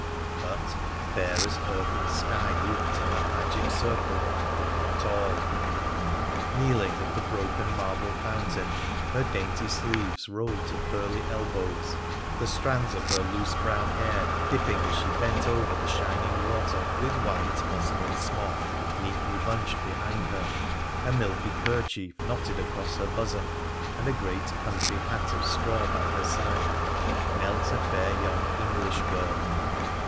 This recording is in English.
But, fair as earth and sky looked in that magic circle, they 886 WONDERFUL ADVENTURES OF were not all. Kneeling at the broken marble fountain, her dainty sleeves rolled to pearly elbows, the strands of her loose brown hair dipping as she bent over the shining water, with white muslin smock neatly bunched behind her, a milky kerchief knotted across her bosom, and a great country hat of straw by her side, knelt a fair young English girl.